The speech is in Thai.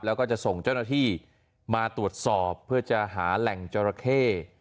แล้วก็จะส่งเจ้าหน้าที่มาตรวจสอบเพื่อจะหาแหล่งจราเข้